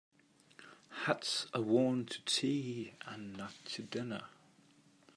Hats are worn to tea and not to dinner.